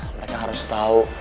mereka harus tau